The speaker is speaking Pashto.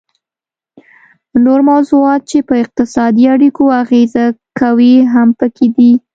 نور موضوعات چې په اقتصادي اړیکو اغیزه کوي هم پکې دي